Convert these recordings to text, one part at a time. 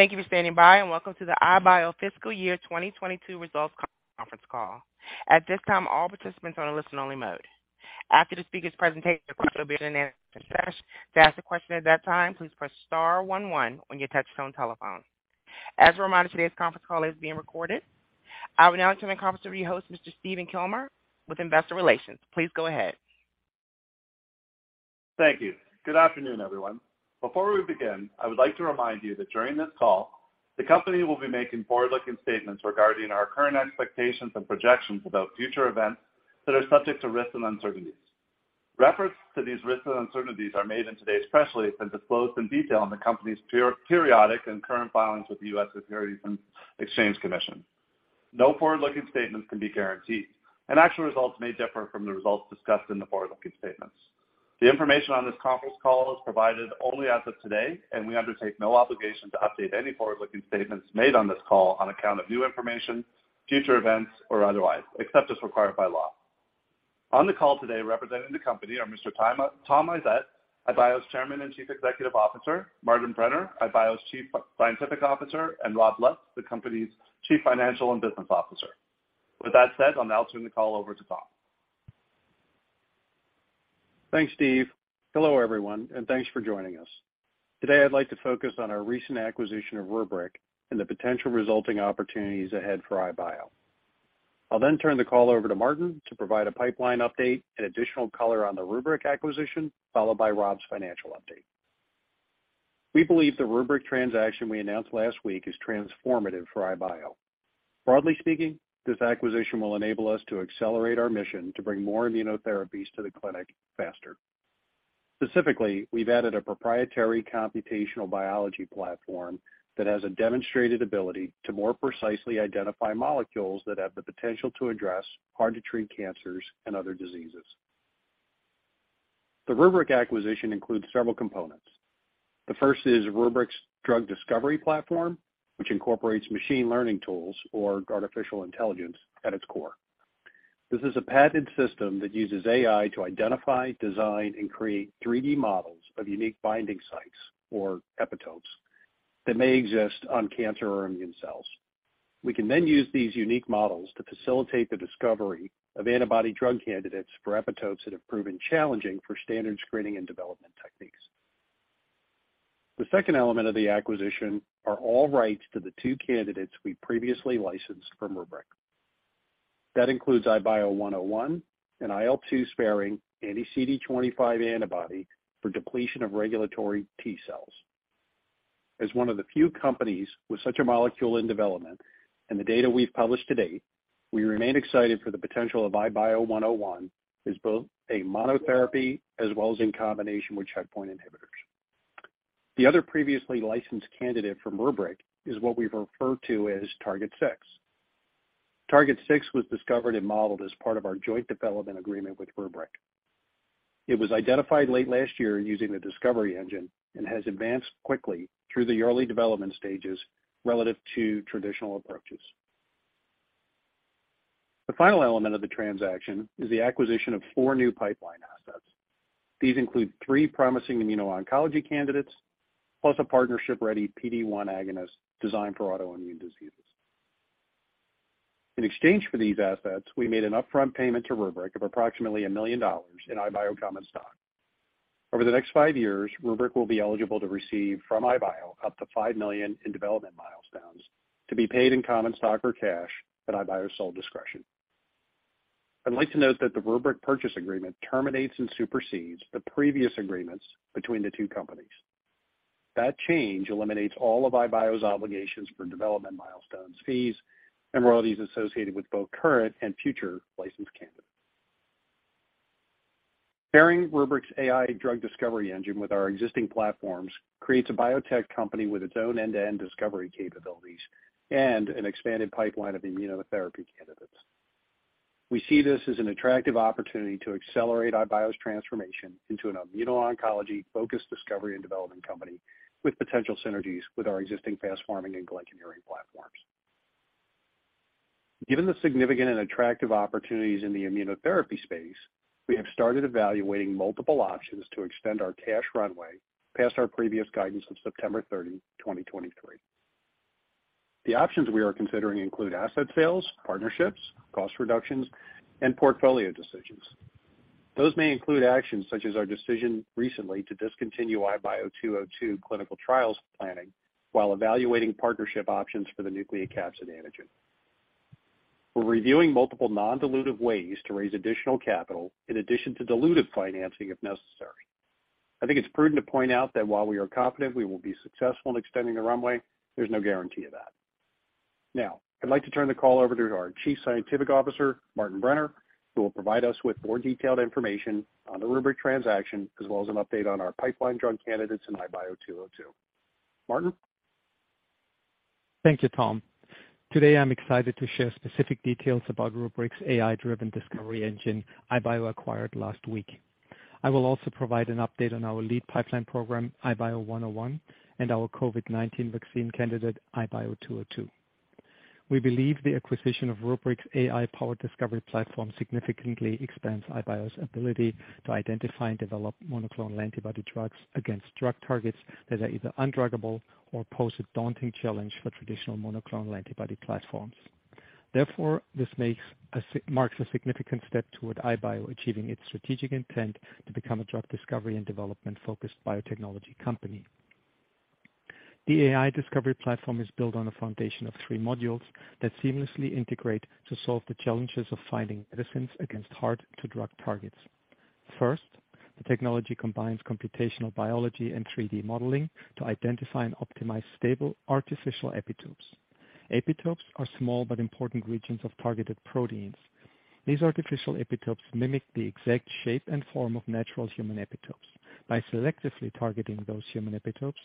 Thank you for standing by and welcome to the iBio fiscal year 2022 results conference call. At this time, all participants are on a listen-only mode. After the speaker's presentation, there will be a Q&A session. To ask a question at that time, please press star one one on your touch-tone telephone. As a reminder, today's conference call is being recorded. I will now turn the conference over to your host, Mr. Stephen Kilmer with investor relations. Please go ahead. Thank you. Good afternoon, everyone. Before we begin, I would like to remind you that during this call, the company will be making forward-looking statements regarding our current expectations and projections about future events that are subject to risks and uncertainties. Reference to these risks and uncertainties are made in today's press release and disclosed in detail in the company's periodic and current filings with the U.S. Securities and Exchange Commission. No forward-looking statements can be guaranteed, and actual results may differ from the results discussed in the forward-looking statements. The information on this conference call is provided only as of today, and we undertake no obligation to update any forward-looking statements made on this call on account of new information, future events, or otherwise, except as required by law. On the call today representing the company are Mr. Tom Isett, iBio's Chairman and Chief Executive Officer, Martin Brenner, iBio's Chief Scientific Officer, and Rob Lutz, the company's Chief Financial, and Business Officer. With that said, I'll now turn the call over to Tom. Thanks, Stephen. Hello, everyone, and thanks for joining us. Today, I'd like to focus on our recent acquisition of RubrYc and the potential resulting opportunities ahead for iBio. I'll then turn the call over to Martin to provide a pipeline update and additional color on the RubrYc acquisition, followed by Rob's financial update. We believe the RubrYc transaction we announced last week is transformative for iBio. Broadly speaking, this acquisition will enable us to accelerate our mission to bring more immunotherapies to the clinic faster. Specifically, we've added a proprietary computational biology platform that has a demonstrated ability to more precisely identify molecules that have the potential to address hard-to-treat cancers and other diseases. The RubrYc acquisition includes several components. The first is RubrYc's drug discovery platform, which incorporates machine learning tools or artificial intelligence at its core. This is a patented system that uses AI to identify, design, and create 3D models of unique binding sites, or epitopes, that may exist on cancer or immune cells. We can then use these unique models to facilitate the discovery of antibody drug candidates for epitopes that have proven challenging for standard screening and development techniques. The second element of the acquisition are all rights to the two candidates we previously licensed from RubrYc. That includes IBIO-101 and IL-2 sparing anti-CD25 antibody for depletion of regulatory T cells. As one of the few companies with such a molecule in development and the data we've published to date, we remain excited for the potential of IBIO-101 as both a monotherapy as well as in combination with checkpoint inhibitors. The other previously licensed candidate from RubrYc is what we refer to as Target 6. Target 6 was discovered and modeled as part of our joint development agreement with RubrYc. It was identified late last year using the discovery engine and has advanced quickly through the early development stages relative to traditional approaches. The final element of the transaction is the acquisition of four new pipeline assets. These include three promising immuno-oncology candidates, plus a partnership-ready PD-1 agonist designed for autoimmune diseases. In exchange for these assets, we made an upfront payment to RubrYc of approximately $1 million in iBio common stock. Over the next five years, RubrYc will be eligible to receive from iBio up to $5 million in development milestones to be paid in common stock or cash at iBio's sole discretion. I'd like to note that the RubrYc purchase agreement terminates and supersedes the previous agreements between the two companies. That change eliminates all of iBio's obligations for development milestones, fees, and royalties associated with both current and future licensed candidates. Pairing RubrYc's AI drug discovery engine with our existing platforms creates a biotech company with its own end-to-end discovery capabilities and an expanded pipeline of immunotherapy candidates. We see this as an attractive opportunity to accelerate iBio's transformation into an immuno-oncology-focused discovery and development company with potential synergies with our existing FastPharming and glycan array platforms. Given the significant and attractive opportunities in the immunotherapy space, we have started evaluating multiple options to extend our cash runway past our previous guidance of September 30, 2023. The options we are considering include asset sales, partnerships, cost reductions, and portfolio decisions. Those may include actions such as our decision recently to discontinue IBIO-202 clinical trials planning while evaluating partnership options for the nucleocapsid antigen. We're reviewing multiple non-dilutive ways to raise additional capital in addition to dilutive financing if necessary. I think it's prudent to point out that while we are confident we will be successful in extending the runway, there's no guarantee of that. Now, I'd like to turn the call over to our Chief Scientific Officer, Martin Brenner, who will provide us with more detailed information on the RubrYc transaction, as well as an update on our pipeline drug candidates in iBio-202. Martin? Thank you, Tom. Today, I'm excited to share specific details about RubrYc's AI-driven discovery engine iBio acquired last week. I will also provide an update on our lead pipeline program, iBio 101, and our COVID-19 vaccine candidate, iBio 202. We believe the acquisition of RubrYc AI-powered discovery platform significantly expands iBio's ability to identify and develop monoclonal antibody drugs against drug targets that are either undruggable or pose a daunting challenge for traditional monoclonal antibody platforms. Therefore, this marks a significant step toward iBio achieving its strategic intent to become a drug discovery and development-focused biotechnology company. The AI discovery platform is built on a foundation of three modules that seamlessly integrate to solve the challenges of finding medicines against hard-to-drug targets. First, the technology combines computational biology and 3D modeling to identify and optimize stable artificial epitopes. Epitopes are small but important regions of targeted proteins. These artificial epitopes mimic the exact shape and form of natural human epitopes. By selectively targeting those human epitopes,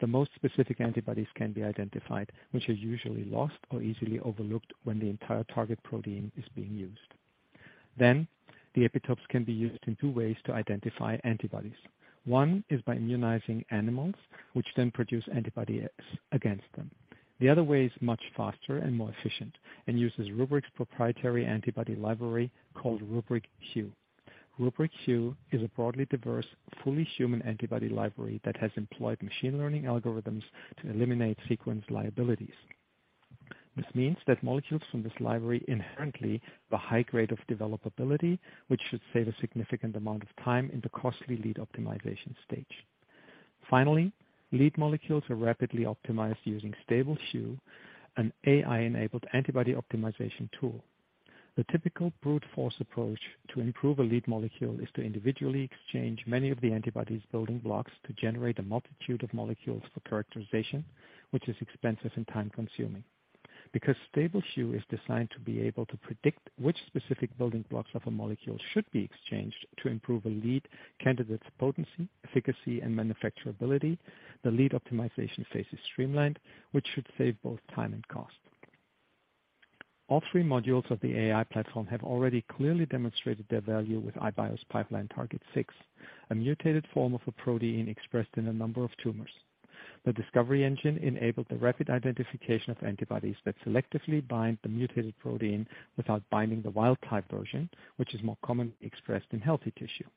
the most specific antibodies can be identified, which are usually lost or easily overlooked when the entire target protein is being used. The epitopes can be used in two ways to identify antibodies. One is by immunizing animals, which then produce antibody X against them. The other way is much faster and more efficient and uses RubrYc proprietary antibody library called RubrYc Hu. RubrYc Hu is a broadly diverse, fully human antibody library that has employed machine learning algorithms to eliminate sequence liabilities. This means that molecules from this library inherently have a high grade of developability, which should save a significant amount of time in the costly lead optimization stage. Finally, lead molecules are rapidly optimized using StableHu, an AI-enabled antibody optimization tool. The typical brute force approach to improve a lead molecule is to individually exchange many of the antibody's building blocks to generate a multitude of molecules for characterization, which is expensive and time-consuming. Because StableHu is designed to be able to predict which specific building blocks of a molecule should be exchanged to improve a lead candidate's potency, efficacy, and manufacturability, the lead optimization phase is streamlined, which should save both time and cost. All three modules of the AI platform have already clearly demonstrated their value with iBio's pipeline Target 6, a mutated form of a protein expressed in a number of tumors. The Discovery Engine enabled the rapid identification of antibodies that selectively bind the mutated protein without binding the wild type version, which is more commonly expressed in healthy tissue.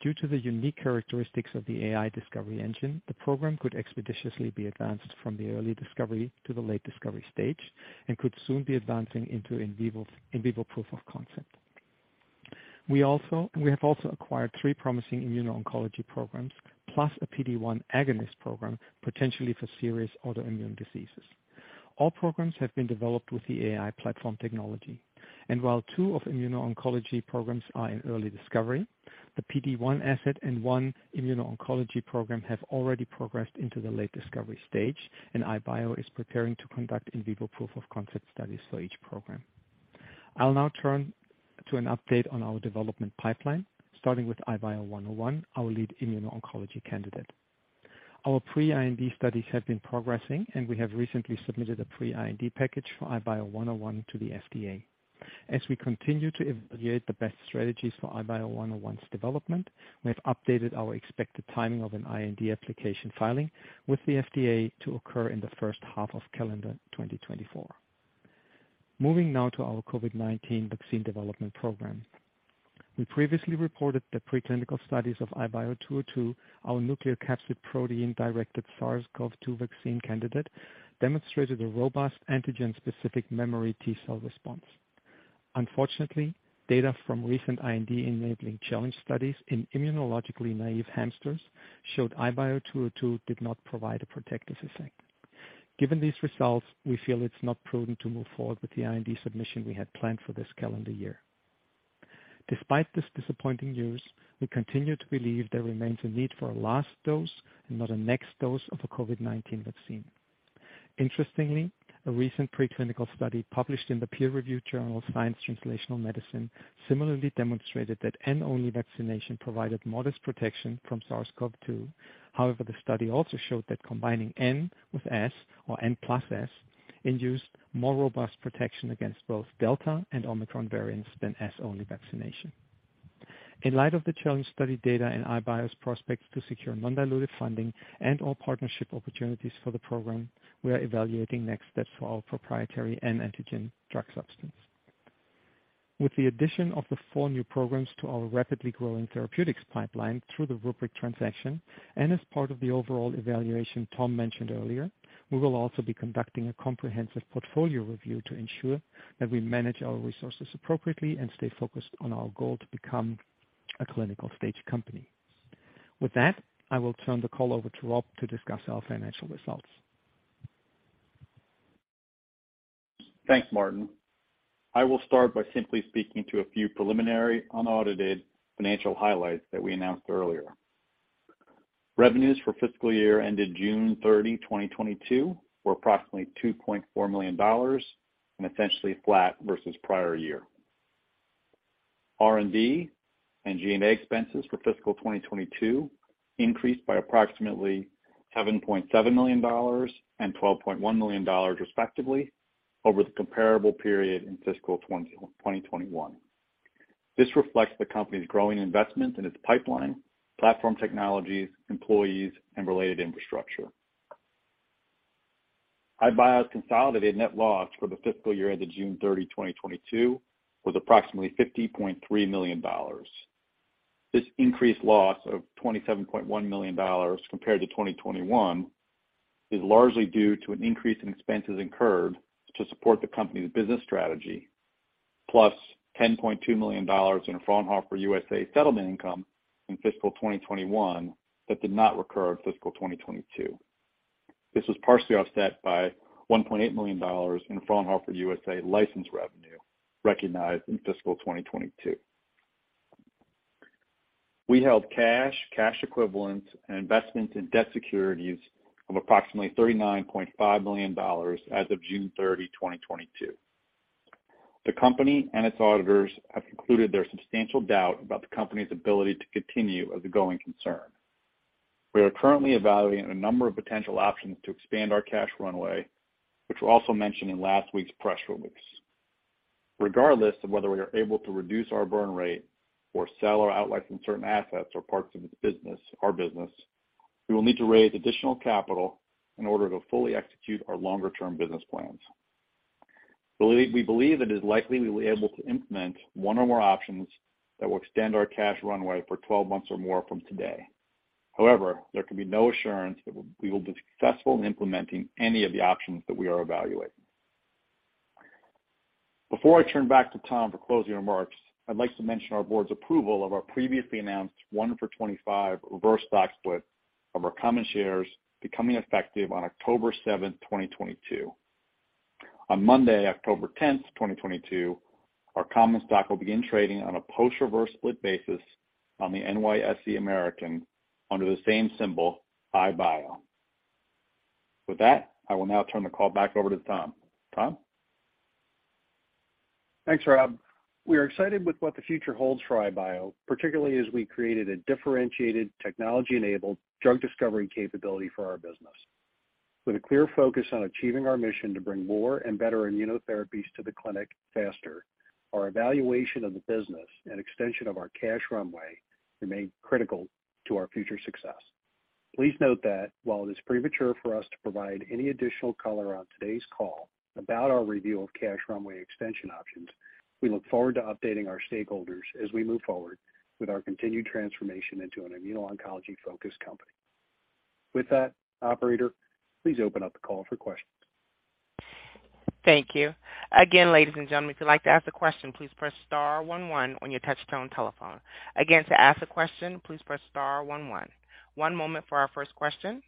Due to the unique characteristics of the AI discovery engine, the program could expeditiously be advanced from the early discovery to the late discovery stage and could soon be advancing into in Vivo proof of concept. We have also acquired three promising immuno-oncology programs plus a PD-1 agonist program, potentially for serious autoimmune diseases. All programs have been developed with the AI platform technology, and while two of immuno-oncology programs are in early discovery, the PD-1 asset and one immuno-oncology program have already progressed into the late discovery stage, and iBio is preparing to conduct in Vivo proof of concept studies for each program. I'll now turn to an update on our development pipeline, starting with iBio-101, our lead immuno-oncology candidate. Our pre-IND studies have been progressing and we have recently submitted a pre-IND package for iBio-101 to the FDA. As we continue to evaluate the best strategies for iBio-101's development, we have updated our expected timing of an IND application filing with the FDA to occur in the first half of calendar 2024. Moving now to our COVID-19 vaccine development program. We previously reported that preclinical studies of iBio-202, our nucleocapsid protein directed SARS-CoV-2 vaccine candidate, demonstrated a robust antigen-specific memory T cell response. Unfortunately, data from recent IND-enabling challenge studies in immunologically naive hamsters showed iBio-202 did not provide a protective effect. Given these results, we feel it's not prudent to move forward with the IND submission we had planned for this calendar year. Despite this disappointing news, we continue to believe there remains a need for a last dose and not a next dose of a COVID-19 vaccine. Interestingly, a recent preclinical study published in the peer-reviewed journal Science Translational Medicine similarly demonstrated that N-only vaccination provided modest protection from SARS-CoV-2. However, the study also showed that combining N with S or N + S induced more robust protection against both Delta and Omicron variants than S-only vaccination. In light of the challenge study data and iBio's prospects to secure non-dilutive funding and/or partnership opportunities for the program, we are evaluating next steps for our proprietary N antigen drug substance. With the addition of the four new programs to our rapidly growing therapeutics pipeline through the RubrYc transaction and as part of the overall evaluation Tom mentioned earlier, we will also be conducting a comprehensive portfolio review to ensure that we manage our resources appropriately and stay focused on our goal to become a clinical-stage company. With that, I will turn the call over to Rob to discuss our financial results. Thanks, Martin. I will start by simply speaking to a few preliminary unaudited financial highlights that we announced earlier. Revenues for fiscal year ended June 30, 2022 were approximately $2.4 million and essentially flat versus prior year. R&D and G&A expenses for fiscal 2022 increased by approximately $7.7 million and $12.1 million, respectively, over the comparable period in fiscal 2021. This reflects the company's growing investment in its pipeline, platform technologies, employees, and related infrastructure. iBio's consolidated net loss for the fiscal year ended June 30, 2022 was approximately $50.3 million. This increased loss of $27.1 million compared to 2021 is largely due to an increase in expenses incurred to support the company's business strategy, plus $10.2 million in Fraunhofer U.S.A. settlement income in fiscal 2021 that did not recur in fiscal 2022. This was partially offset by $1.8 million in Fraunhofer U.S.A. license revenue recognized in fiscal 2022. We held cash equivalents, and investments in debt securities of approximately $39.5 million as of June 30, 2022. The company and its auditors have concluded there's substantial doubt about the company's ability to continue as a going concern. We are currently evaluating a number of potential options to expand our cash runway, which were also mentioned in last week's press release. Regardless of whether we are able to reduce our burn rate or sell or outlet some certain assets or parts of our business, we will need to raise additional capital in order to fully execute our longer-term business plans. We believe it is likely we'll be able to implement one or more options that will extend our cash runway for 12 months or more from today. However, there can be no assurance that we will be successful in implementing any of the options that we are evaluating. Before I turn back to Tom for closing remarks, I'd like to mention our board's approval of our previously announced one-for-25 reverse stock split of our common shares becoming effective on October 7, 2022. On Monday, October 10th, 2022 our common stock will begin trading on a post-reverse split basis on the NYSE American under the same symbol iBio. With that, I will now turn the call back over to Tom. Tom? Thanks, Rob. We are excited with what the future holds for iBio, particularly as we created a differentiated technology-enabled drug discovery capability for our business. With a clear focus on achieving our mission to bring more and better immunotherapies to the clinic faster, our evaluation of the business and extension of our cash runway remain critical to our future success. Please note that while it is premature for us to provide any additional color on today's call about our review of cash runway extension options, we look forward to updating our stakeholders as we move forward with our continued transformation into an immuno-oncology focused company. With that, operator, please open up the call for questions. Thank you. Again, ladies and gentlemen, if you'd like to ask a question, please press star one one on your touchtone telephone. Again, to ask a question, please press star one one. One moment for our first question.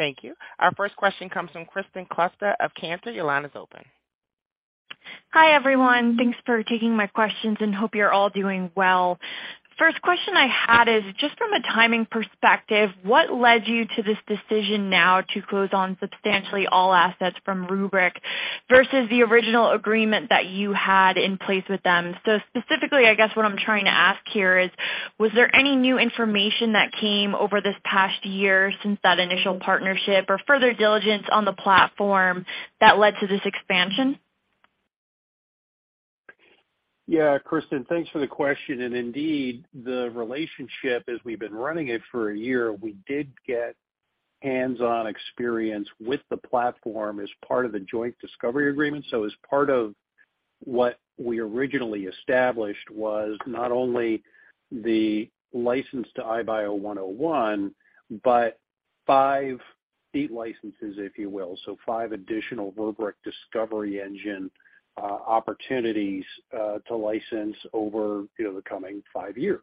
Thank you. Our first question comes from Kristen Kluska of Cantor Fitzgerald. Your line is open. Hi, everyone. Thanks for taking my questions and hope you're all doing well. First question I had is just from a timing perspective, what led you to this decision now to close on substantially all assets from RubrYc versus the original agreement that you had in place with them? Specifically, I guess what I'm trying to ask here is, was there any new information that came over this past year since that initial partnership or further diligence on the platform that led to this expansion? Yeah, Kristen, thanks for the question. Indeed, the relationship as we've been running it for a year, we did get hands-on experience with the platform as part of the joint discovery agreement. As part of what we originally established was not only the license to iBio 101, but five seat licenses, if you will. Five additional RubrYc discovery engine opportunities to license over, you know, the coming five years.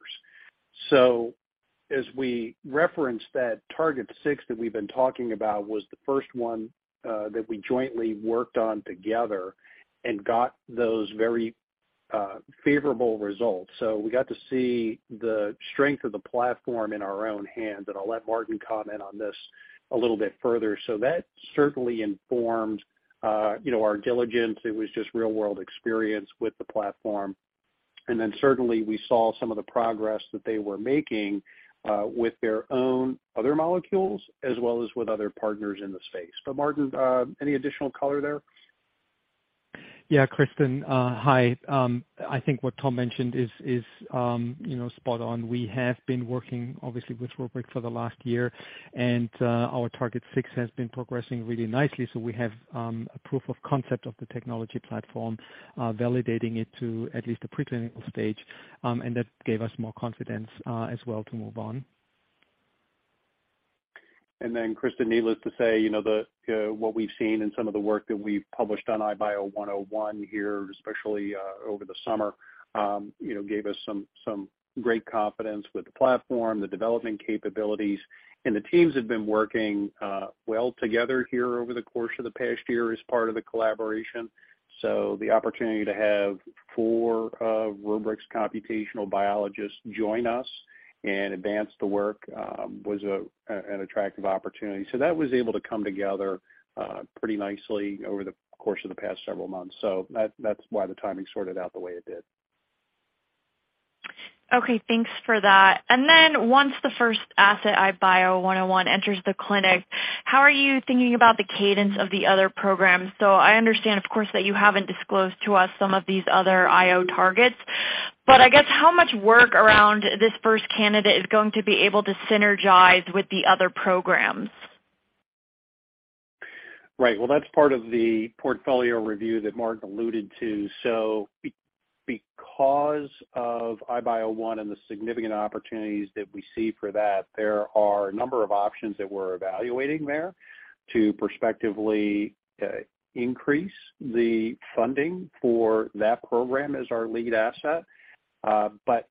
As we referenced that Target 6 that we've been talking about was the first one that we jointly worked on together and got those very favorable results. We got to see the strength of the platform in our own hands, and I'll let Martin comment on this a little bit further. That certainly informed, you know, our diligence. It was just real-world experience with the platform. Certainly we saw some of the progress that they were making with their own other molecules as well as with other partners in the space. Martin, any additional color there? Yeah, Kristen, hi. I think what Tom mentioned is, you know, spot on. We have been working obviously with RubrYc for the last year, and our Target 6 has been progressing really nicely. We have a proof of concept of the technology platform, validating it to at least a preclinical stage, and that gave us more confidence as well to move on. Kristen, needless to say, you know, the what we've seen in some of the work that we've published on iBio-101 here, especially over the summer, you know, gave us some great confidence with the platform, the development capabilities. The teams have been working well together here over the course of the past year as part of the collaboration. The opportunity to have four of RubrYc's computational biologists join us and advance the work was an attractive opportunity. That was able to come together pretty nicely over the course of the past several months. That, that's why the timing sorted out the way it did. Okay, thanks for that. Once the first asset, IBIO-101 enters the clinic, how are you thinking about the cadence of the other programs? I understand of course, that you haven't disclosed to us some of these other IO targets, but I guess how much work around this first candidate is going to be able to synergize with the other programs? Right. Well, that's part of the portfolio review that Martin alluded to. Because of iBio-101 and the significant opportunities that we see for that, there are a number of options that we're evaluating there to prospectively increase the funding for that program as our lead asset.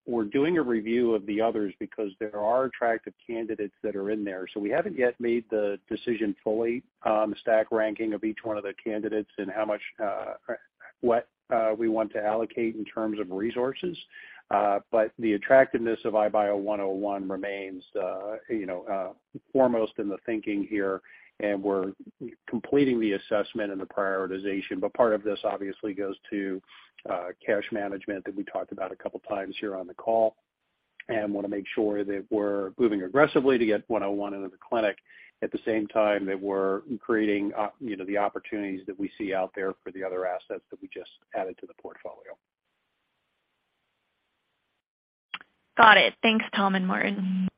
We're doing a review of the others because there are attractive candidates that are in there. We haven't yet made the decision fully on the stack ranking of each one of the candidates and how much, what, we want to allocate in terms of resources. The attractiveness of iBio-101 remains, you know, foremost in the thinking here, and we're completing the assessment and the prioritization. Part of this obviously goes to cash management that we talked about a couple times here on the call, and wanna make sure that we're moving aggressively to get 101 into the clinic. At the same time that we're creating you know the opportunities that we see out there for the other assets that we just added to the portfolio. Got it. Thanks, Tom and Martin.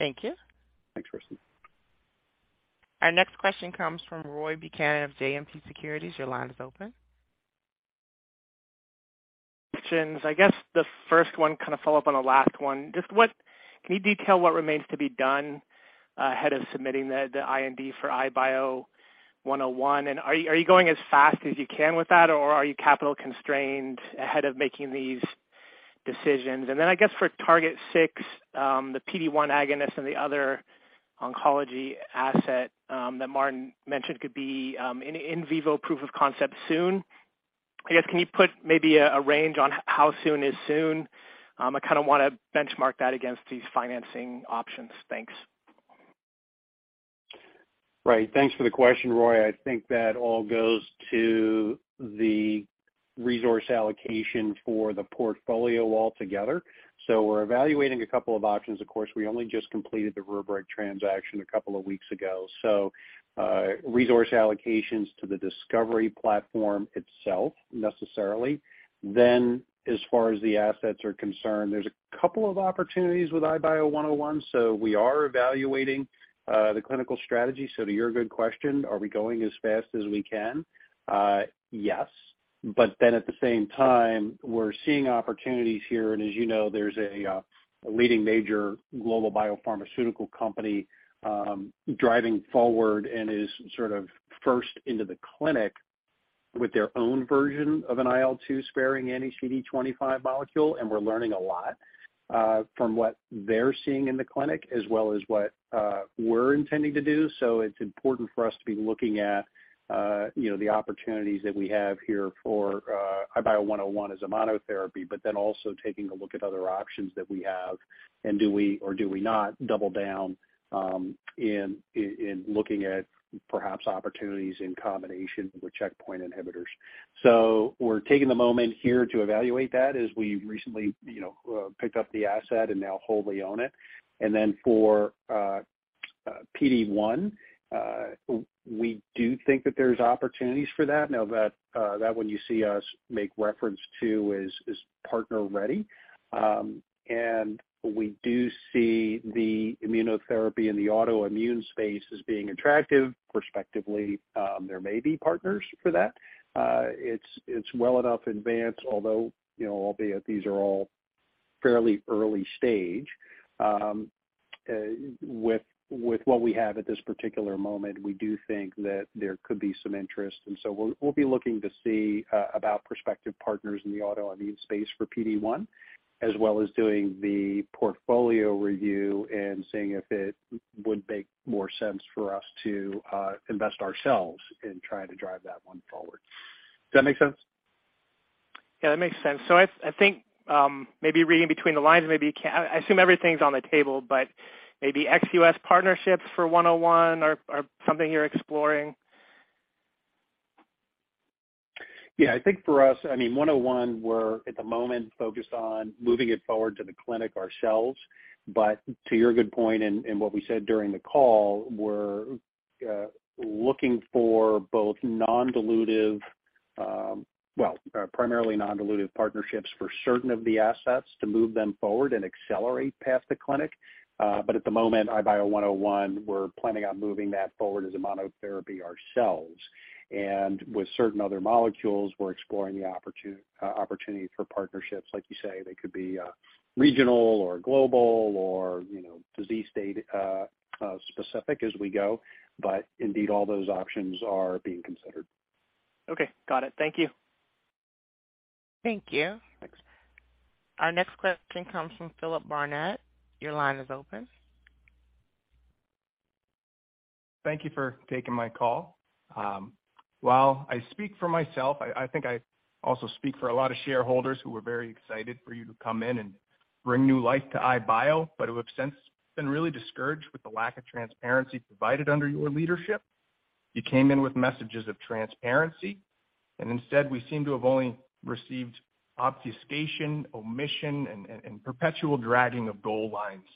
Thank you. Thanks, Kristen. Our next question comes from Roy Buchanan of JMP Securities. Your line is open. Questions. I guess the first one kind of follow up on the last one. Can you detail what remains to be done ahead of submitting the IND for iBio 101? Are you going as fast as you can with that, or are you capital constrained ahead of making these decisions? Then I guess for Target 6, the PD-1 agonist and the other oncology asset that Martin mentioned could be in Vivo proof of concept soon. Can you put maybe a range on how soon is soon? I kinda wanna benchmark that against these financing options. Thanks. Right. Thanks for the question, Roy. I think that all goes to the resource allocation for the portfolio altogether. We're evaluating a couple of options. Of course, we only just completed the RubrYc transaction a couple of weeks ago. Resource allocations to the discovery platform itself necessarily. As far as the assets are concerned, there's a couple of opportunities with iBio 101. We are evaluating the clinical strategy. To your good question, are we going as fast as we can? Yes. At the same time, we're seeing opportunities here. As you know, there's a leading major global biopharmaceutical company driving forward and is sort of first into the clinic with their own version of an IL-2 sparing anti-CD25 molecule. We're learning a lot from what they're seeing in the clinic as well as what we're intending to do. It's important for us to be looking at, you know, the opportunities that we have here for iBio 101 as a monotherapy. Then also taking a look at other options that we have, and do we or do we not double down in looking at perhaps opportunities in combination with checkpoint inhibitors. We're taking the moment here to evaluate that as we recently, you know, picked up the asset and now wholly own it. Then for PD-1, we do think that there's opportunities for that. Now that one you see us make reference to is partner ready. We do see the immunotherapy in the autoimmune space as being attractive. Prospectively, there may be partners for that. It's well enough advanced, although, you know, albeit these are all fairly early stage. With what we have at this particular moment, we do think that there could be some interest. We'll be looking to see about prospective partners in the autoimmune space for PD-1, as well as doing the portfolio review and seeing if it would make more sense for us to invest ourselves in trying to drive that one forward. Does that make sense? Yeah, that makes sense. I think maybe reading between the lines, I assume everything's on the table, but maybe ex-U.S. partnerships for 101 are something you're exploring. Yeah. I think for us, I mean, 101, we're at the moment focused on moving it forward to the clinic ourselves. To your good point and what we said during the call, we're looking for both non-dilutive primarily non-dilutive partnerships for certain of the assets to move them forward and accelerate past the clinic. At the moment, iBio 101, we're planning on moving that forward as a monotherapy ourselves. With certain other molecules, we're exploring the opportunity for partnerships. Like you say, they could be regional or global or, you know, disease state specific as we go. Indeed all those options are being considered. Okay. Got it. Thank you. Thank you. Thanks. Our next question comes from Philip Barnett. Your line is open. Thank you for taking my call. While I speak for myself, I think I also speak for a lot of shareholders who are very excited for you to come in and bring new life to iBio, but who have since been really discouraged with the lack of transparency provided under your leadership. You came in with messages of transparency, and instead we seem to have only received obfuscation, omission and perpetual dragging of goal lines.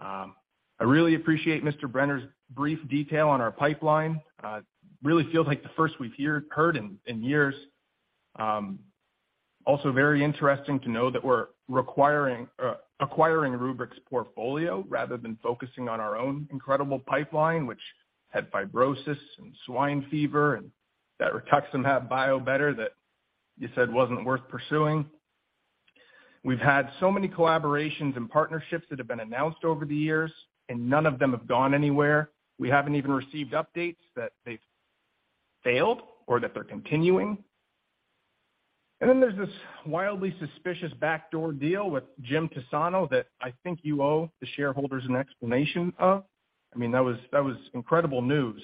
I really appreciate Mr. Brenner's brief detail on our pipeline. It really feels like the first we've heard in years. Also very interesting to know that we're acquiring RubrYc's portfolio rather than focusing on our own incredible pipeline, which had fibrosis and swine fever and that Rituximab biobetter that you said wasn't worth pursuing. We've had so many collaborations and partnerships that have been announced over the years, and none of them have gone anywhere. We haven't even received updates that they've failed or that they're continuing. There's this wildly suspicious backdoor deal with Jim Pisano that I think you owe the shareholders an explanation of. I mean, that was incredible news.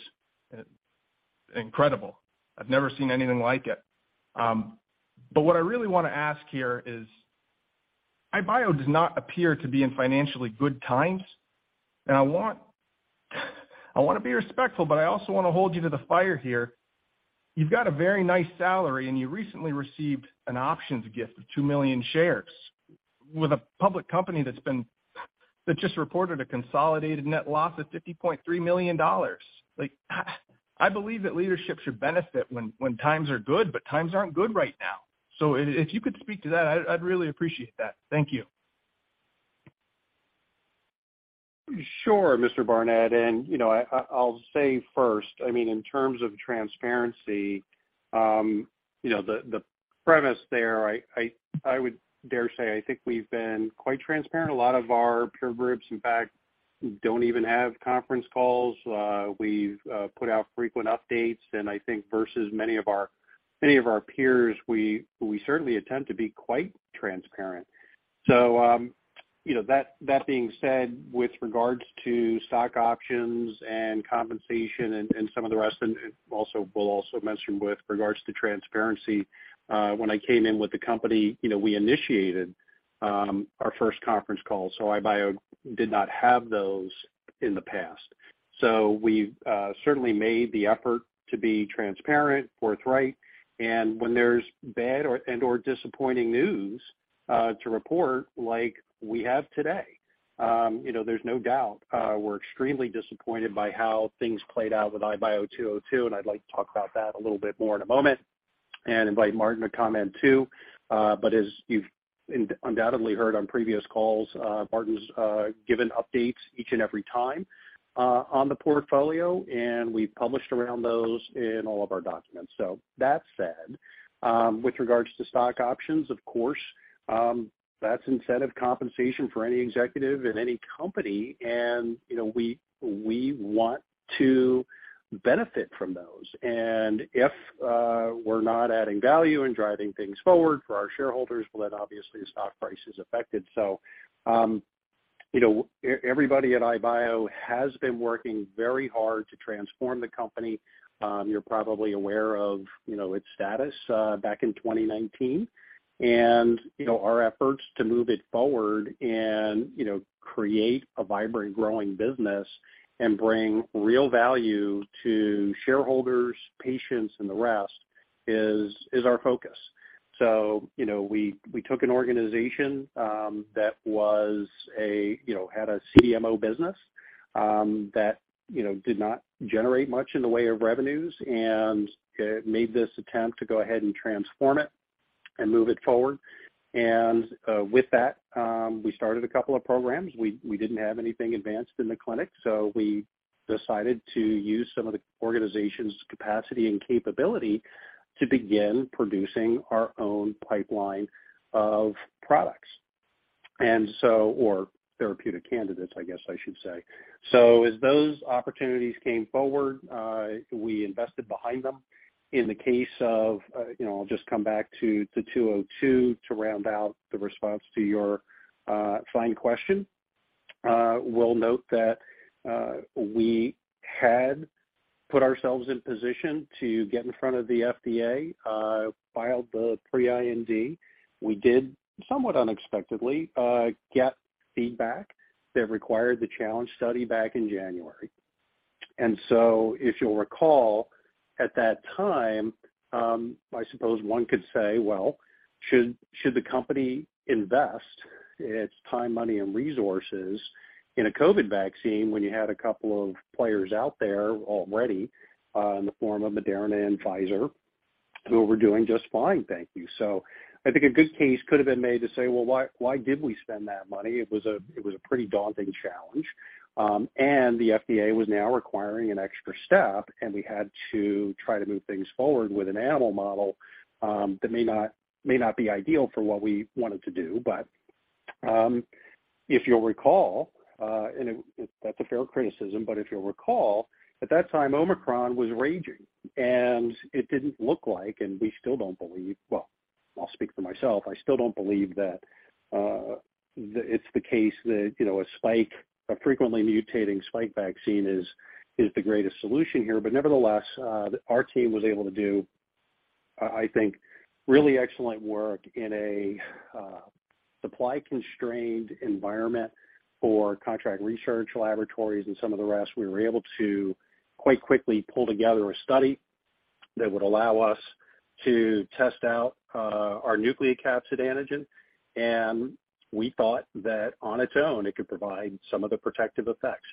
Incredible. I've never seen anything like it. What I really wanna ask here is, iBio does not appear to be in financially good times, and I wanna be respectful, but I also wanna hold you to the fire here. You've got a very nice salary, and you recently received an options gift of two million shares with a public company that just reported a consolidated net loss of $50.3 million. Like, I believe that leadership should benefit when times are good, but times aren't good right now. If you could speak to that, I'd really appreciate that. Thank you. Sure, Mr. Barnett. You know, I'll say first, I mean, in terms of transparency, you know, the premise there, I would dare say I think we've been quite transparent. A lot of our peer groups, in fact, don't even have conference calls. We've put out frequent updates and I think versus many of our peers, we certainly attempt to be quite transparent. You know, that being said, with regards to stock options and compensation and some of the rest, and also we'll mention with regards to transparency, when I came in with the company, you know, we initiated our first conference call. iBio did not have those in the past. We've certainly made the effort to be transparent, forthright. When there's bad and/or disappointing news to report like we have today, you know, there's no doubt we're extremely disappointed by how things played out with IBIO-202, and I'd like to talk about that a little bit more in a moment and invite Martin to comment too. As you've undoubtedly heard on previous calls, Martin's given updates each and every time on the portfolio, and we've published around those in all of our documents. That said, with regards to stock options, of course, that's incentive compensation for any executive at any company. You know, we want to benefit from those. If we're not adding value and driving things forward for our shareholders, well, then obviously the stock price is affected. Everybody at iBio has been working very hard to transform the company. You're probably aware of its status back in 2019. Our efforts to move it forward and create a vibrant, growing business and bring real value to shareholders, patients, and the rest is our focus. We took an organization that had a CDMO business that did not generate much in the way of revenues and made this attempt to go ahead and transform it and move it forward. With that, we started a couple of programs. We didn't have anything advanced in the clinic, so we decided to use some of the organization's capacity and capability to begin producing our own pipeline of products. Or therapeutic candidates, I guess I should say. As those opportunities came forward, we invested behind them. In the case of, you know, I'll just come back to 202 to round out the response to your fine question. We'll note that we had put ourselves in position to get in front of the FDA, filed the pre-IND. We did, somewhat unexpectedly, get feedback that required the challenge study back in January. If you'll recall, at that time, I suppose one could say, well, should the company invest its time, money, and resources in a COVID vaccine when you had a couple of players out there already, in the form of Moderna and Pfizer, who were doing just fine, thank you. I think a good case could have been made to say, "Well, why did we spend that money?" It was a pretty daunting challenge. The FDA was now requiring an extra step, and we had to try to move things forward with an animal model that may not be ideal for what we wanted to do. If you'll recall, that's a fair criticism, but if you'll recall, at that time, Omicron was raging, and it didn't look like, and we still don't believe. Well, I'll speak for myself. I still don't believe that it's the case that, you know, a spike, a frequently mutating spike vaccine is the greatest solution here. Nevertheless, our team was able to do, I think, really excellent work in a supply-constrained environment for contract research laboratories and some of the rest. We were able to quite quickly pull together a study that would allow us to test out our nucleocapsid antigen, and we thought that on its own, it could provide some of the protective effects.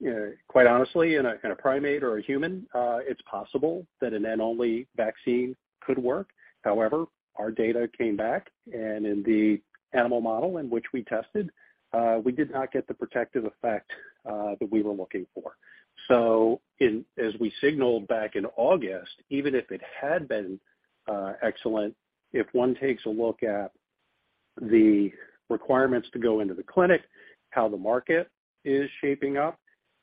You know, quite honestly, in a primate or a human, it's possible that an N-only vaccine could work. However, our data came back, and in the animal model in which we tested, we did not get the protective effect that we were looking for. As we signaled back in August, even if it had been excellent, if one takes a look at the requirements to go into the clinic, how the market is shaping up,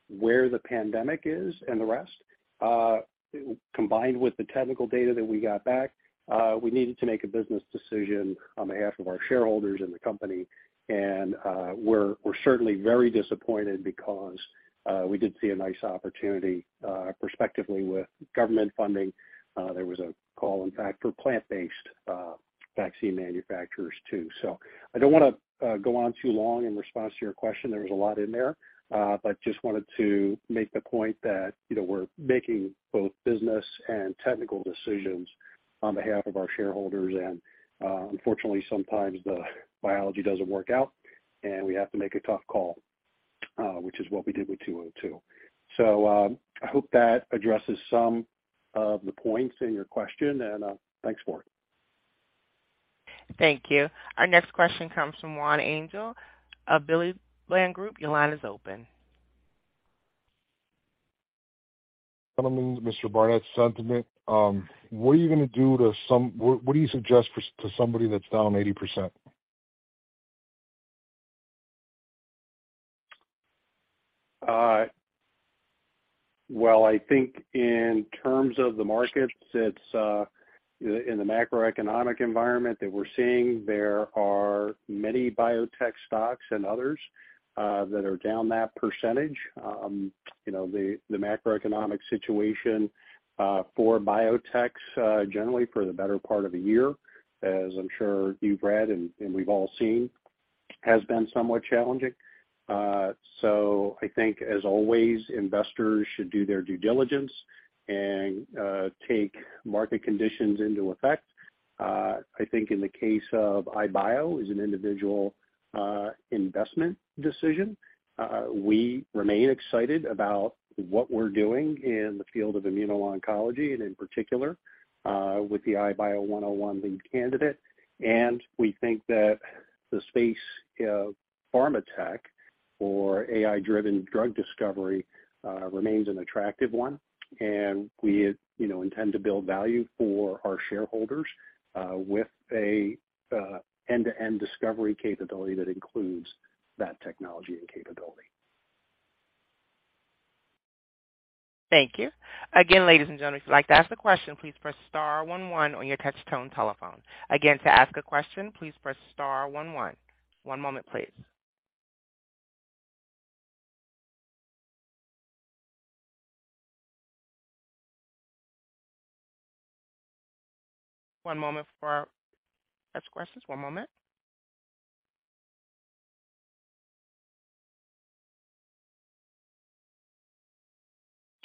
where the pandemic is and the rest, combined with the technical data that we got back, we needed to make a business decision on behalf of our shareholders and the company. We're certainly very disappointed because we did see a nice opportunity prospectively with government funding. There was a call, in fact, for plant-based vaccine manufacturers, too. I don't wanna go on too long in response to your question. There was a lot in there. Just wanted to make the point that, you know, we're making both business and technical decisions on behalf of our shareholders. Unfortunately, sometimes the biology doesn't work out, and we have to make a tough call, which is what we did with two-o-two. I hope that addresses some of the points in your question, and thanks for it. Thank you. Our next question comes from Juan Angel of Ally Bridge Group. Your line is open. Mr. Barnett's sentiment, what do you suggest for, to somebody that's down 80%? Well, I think in terms of the markets, it's in the macroeconomic environment that we're seeing, there are many biotech stocks and others that are down that percentage. You know, the macroeconomic situation for biotechs generally for the better part of the year, as I'm sure you've read and we've all seen, has been somewhat challenging. I think, as always, investors should do their due diligence and take market conditions into effect. I think in the case of iBio, as an individual investment decision, we remain excited about what we're doing in the field of immuno-oncology and in particular with the iBio one-o-one lead candidate. We think that the space, pharma tech or AI-driven drug discovery, remains an attractive one. We, you know, intend to build value for our shareholders with a end-to-end discovery capability that includes that technology and capability. Thank you. Again, ladies and gentlemen, if you'd like to ask a question, please press star one one on your touch tone telephone. Again, to ask a question, please press star one one. One moment, please. One moment for our next questions. One moment.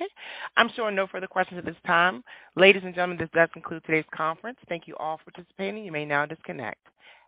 Okay, I'm showing no further questions at this time. Ladies and gentlemen, this does conclude today's conference. Thank you all for participating. You may now disconnect. Have a